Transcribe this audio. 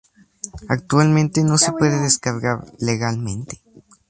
Actualmente no se puede descargar "legalmente".